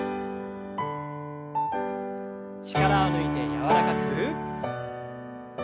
力を抜いて柔らかく。